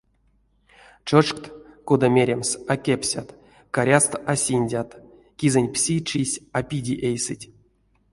Чочкт, кода меремс, а кепсят, карязт а синдят, кизэнь пси чись а пиди эйсэть.